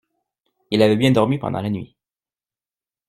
Il avait bien dormi pendant la nuit.